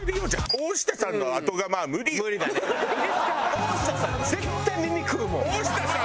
大下さん絶対耳食うもん。